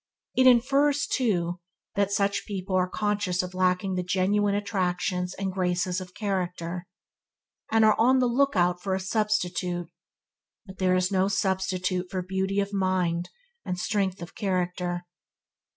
It infers, too, that such people are conscious of lacking the genuine attractions and graces of character, and are on the look out for a substitute; but there is no substitute for beauty of mind and strength of character.